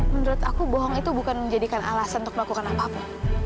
menurut aku bohong itu bukan menjadikan alasan untuk melakukan apa apa